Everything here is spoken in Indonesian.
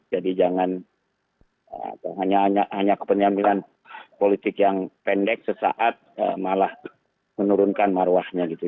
jadi jangan hanya hanya kepenyambilan politik yang pendek sesaat malah menurunkan marwahnya gitu